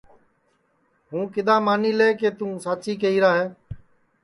ہوں کِدؔا مانی لے کہ توں ساچی کیہرا ہے